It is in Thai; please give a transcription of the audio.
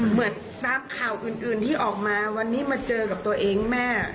เหมือนตามข่าวอื่นที่ออกมาวันนี้มาเจอกับตัวเองแม่